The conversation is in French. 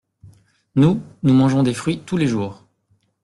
Nous, nous mangeons des fruits tous les jours.